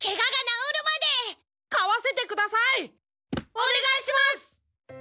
お願いします！